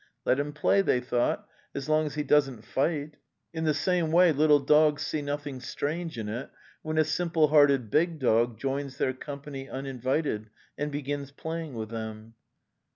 '" Let him play," they thought, " as long as he doesn't fight!' In the same way little dogs see nothing strange in it when a simple hearted big dog joins their company uninvited and begins playing with them.